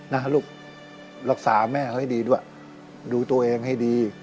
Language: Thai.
นะลูกรักษาแม่เขาให้ดีด้วยดูตัวเองให้ดี